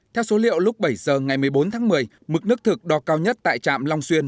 theo số liệu lúc bảy giờ ngày một mươi bốn tháng một mươi mực nước thực đo cao nhất tại trạm long xuyên